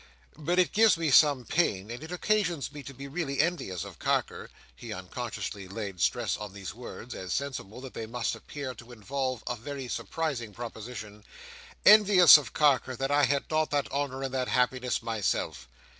"But it gives me some pain, and it occasions me to be really envious of Carker;" he unconsciously laid stress on these words, as sensible that they must appear to involve a very surprising proposition; "envious of Carker, that I had not that honour and that happiness myself."